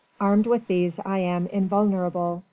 Armed with these I am invulnerable.